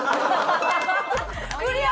クリア！